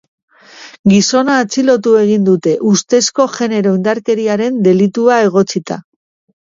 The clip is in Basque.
Gizona atxilotu egin dute, ustezko genero-indarkeriaren delitua egotzita.